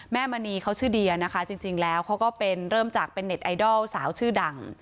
มณีเขาชื่อเดียนะคะจริงแล้วเขาก็เป็นเริ่มจากเป็นเน็ตไอดอลสาวชื่อดัง